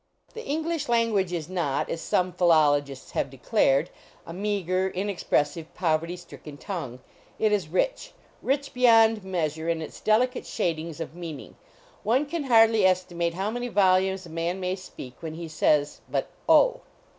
The English language is not, as some philologists have declared, a meager, inex pressive, poverty stricken tongue. It is rich; rich beyond measure in its delicate shadings of meaning. One can hardly estimate how many volumes a man may speak when he says but "Oh."